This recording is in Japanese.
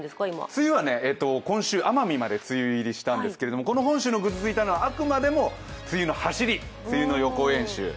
梅雨は今週奄美まで梅雨入りしたんですけれども本州のぐずついたのは、あくまでも梅雨のはしり、予行演習。